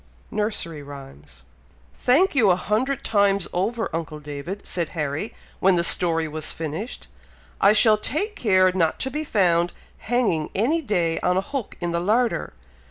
Nursery Rhymes. "Thank you, a hundred times over, uncle David!" said Harry, when the story was finished. "I shall take care not to be found hanging any day on a hook in the larder!